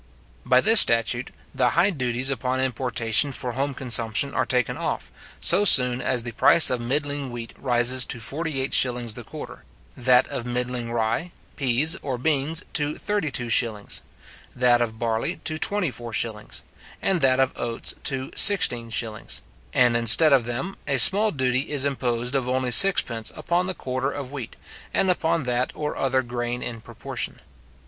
By this statute, the high duties upon importation for home consumption are taken off, so soon as the price of middling wheat rises to 48s. the quarter; that of middling rye, pease, or beans, to 32s.; that of barley to 24s.; and that of oats to 16s.; and instead of them, a small duty is imposed of only 6d upon the quarter of wheat, and upon that or other grain in proportion.